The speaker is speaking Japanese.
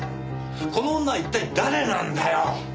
この女は一体誰なんだよ？